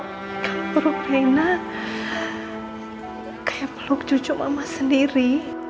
kalau ikan perut reina kayak peluk cucu mama sendiri